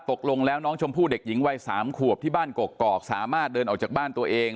ตกลงแล้วน้องชมพู่เด็กหญิงวัย๓ขวบที่บ้านกกอกสามารถเดินออกจากบ้านตัวเอง